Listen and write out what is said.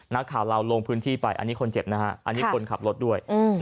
นักข่าวเราลงพื้นที่ไปอันนี้คนเจ็บนะฮะอันนี้คนขับรถด้วย